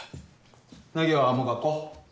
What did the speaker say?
凪はもう学校？